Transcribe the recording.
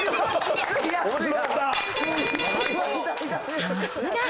さすが。